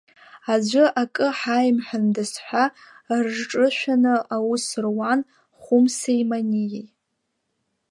Аӡәы акы ҳаимҳәандаз ҳәа рҿышәаны аус руан Хәымсеи Маниеи.